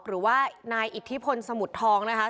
หรือว่านายอิทธิพลสมุทรทองนะคะ